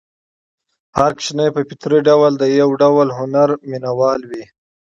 هر ماشوم په فطري ډول د یو ډول هنر مینه وال وي.